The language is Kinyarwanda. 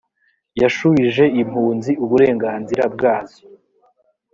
yashubije impunzi uburenganzira bwazo